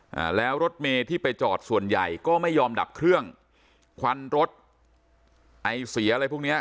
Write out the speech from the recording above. อ่าแล้วรถเมที่ไปจอดส่วนใหญ่ก็ไม่ยอมดับเครื่องควันรถไอเสียอะไรพวกเนี้ย